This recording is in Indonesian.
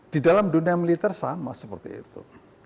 di dalam dunia militer sama seperti itu